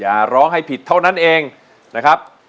อย่าร้องให้ผิดเท่านั้นเองนะครับ